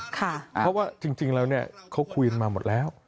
เพราะว่าจริงแล้วเขาคุยกันมาหมดแล้ว